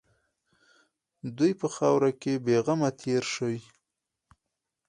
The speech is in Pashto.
دوی په خاوره کې بېغمه تېر شي.